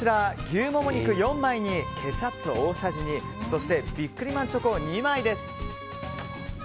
牛モモ肉４枚にケチャップ大さじ２そしてビックリマンチョコ２枚です。